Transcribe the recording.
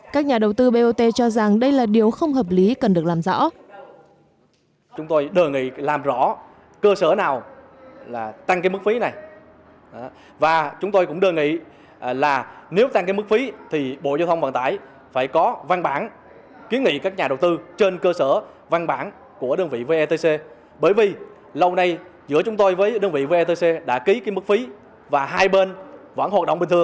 các nhà đầu tư bot cho rằng đây là điều không hợp lý cần được làm rõ